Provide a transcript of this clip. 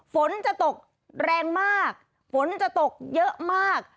ฝนจะตกแรงมากฝนจะตกเยอะมาก